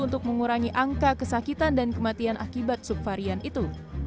untuk mengurangi angka kesakitan dan kematian akibat subvarian itu